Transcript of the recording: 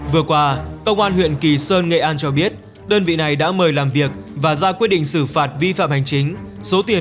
vừa qua công an huyện kỳ sơn nghệ an cho biết đơn vị này đã mời làm việc và ra quyết định xử phạt vi phạm hành chính số tiền bảy năm triệu đồng đối với pvn